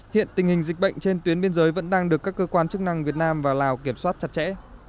hiện tình hình dịch bệnh trên tuyến biên giới vẫn đang được các cơ quan chức năng việt nam và lào kiểm soát chặt chẽ